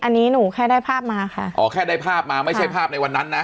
อันนี้หนูแค่ได้ภาพมาค่ะอ๋อแค่ได้ภาพมาไม่ใช่ภาพในวันนั้นนะ